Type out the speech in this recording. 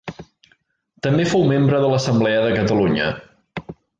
També fou membre de l'Assemblea de Catalunya.